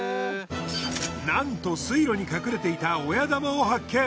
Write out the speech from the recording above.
なんと水路に隠れていた親玉を発見。